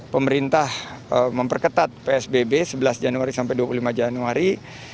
pemerintah memperketat psbb sebelas januari sampai dua puluh lima januari